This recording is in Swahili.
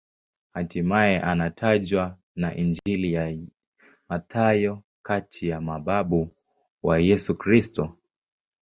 Hatimaye anatajwa na Injili ya Mathayo kati ya mababu wa Yesu Kristo.